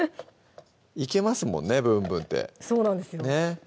いけますもんね「ぶんぶん」ってそうなんですよ